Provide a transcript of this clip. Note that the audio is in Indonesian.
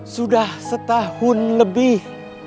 sudah setahun lebih